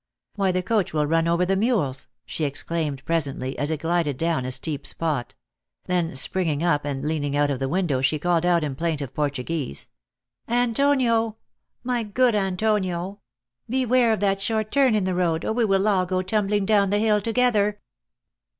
"Why, the coach will run over the mules," she ex claimed presently, as it glided down a steep spot ; then springing up and leaning out of the window, she called out in plaintive Portuguese, " Antonio, my good Antonio, beware of that short turn in the road, or we will all go tumbling down the hill together